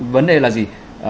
vấn đề là gì